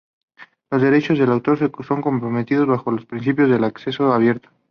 Los derechos de autor son compartidos bajo los principios de acceso abierto.